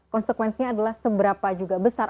konsekuensinya adalah seberapa besar